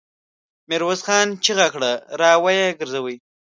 ميرويس خان چيغه کړه! را ويې ګرځوئ!